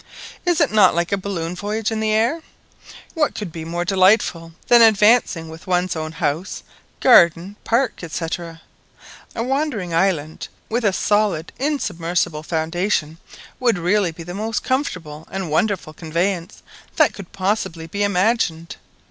Is it not like a balloon voyage in the air? What could be more delightful than advancing with one's house, garden, park, &c.? A wandering island, with a solid insubmersible foundation, would really be the most comfortable and wonderful conveyance that could possibly be imagined.